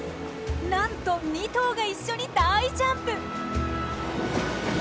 なんと２頭が一緒に大ジャンプ！